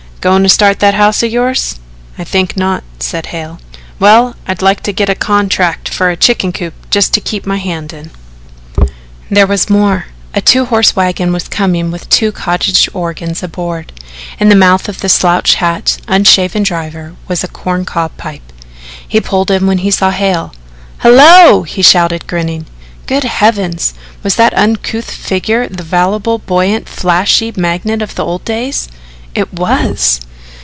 "Goin' to start that house of yours?" "I think not," said Hale. "Well, I'd like to get a contract for a chicken coop just to keep my hand in." There was more. A two horse wagon was coming with two cottage organs aboard. In the mouth of the slouch hatted, unshaven driver was a corn cob pipe. He pulled in when he saw Hale. "Hello!" he shouted grinning. Good Heavens, was that uncouth figure the voluble, buoyant, flashy magnate of the old days? It was.